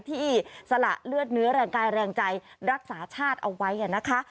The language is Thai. ที่สละเลือดเนื้อแรงกายแรงใจรักษาชาติเอาไว้นะคะ